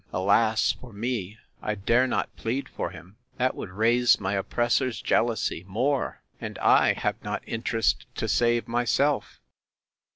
Alas for me! I dare not plead for him; that would raise my oppressor's jealousy more. And I have not interest to save myself!